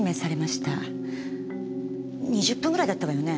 ２０分ぐらいだったわよね？